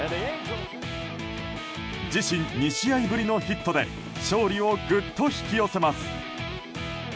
自身２試合ぶりのヒットで勝利をぐっと引き寄せます。